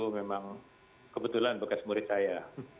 memang kebetulan bekas murid saya